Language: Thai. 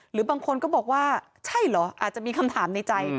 หรือบางคนก็บอกว่าใช่เหรออาจจะมีคำถามในใจ